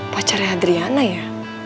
pacarnya adriana ya